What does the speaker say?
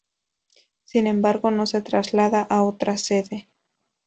Sin embargo, no se traslada a otra sede.